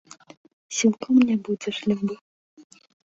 Сілком не будзеш любы.